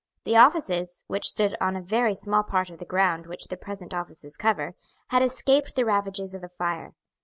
The offices, which stood on a very small part of the ground which the present offices cover, had escaped the ravages of the fire.